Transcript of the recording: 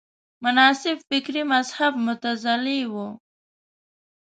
مناسب فکري مذهب معتزله وه